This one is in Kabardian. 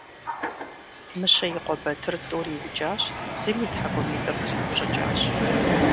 Мыщэ и къуэ Батыр тӀур иукӀащ, зым и тхьэкӀумитӀыр триупщӀыкӀащ.